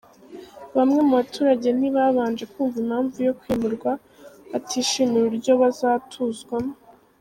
Bamwe mu baturage ntibabanje kumva impamvu yo kwimurwa, batishimira uburyo bazatuzwamo.